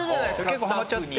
結構ハマっちゃって。